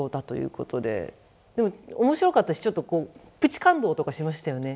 でも面白かったしちょっとこうプチ感動とかしましたよね。